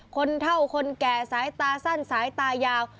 คนเท่าคนแก่สายตาสั้นสายตายาว